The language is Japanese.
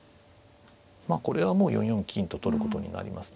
これはもう４四金と取ることになりますね。